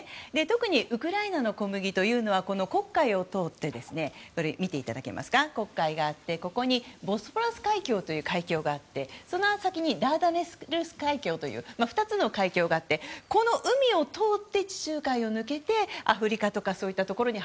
特にウクライナの小麦というのはここに黒海があってここにボスポラス海峡という海峡があってその先にダーダネルス海峡という２つの海峡があってこの海を通って地中海を抜けてアフリカとかそういったところに